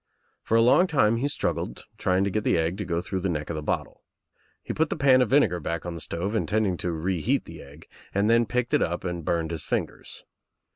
For a long time he struggled, trying to get the egg to go through the neck of the bottle. He put the pan of vinegar back on the stove, intending to reheat the egg, then picked it up and burned his fingers.